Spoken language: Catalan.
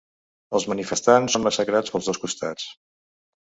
Els manifestants són massacrats pels dos costats.